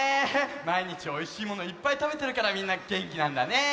まいにちおいしいものいっぱいたべてるからみんなげんきなんだね。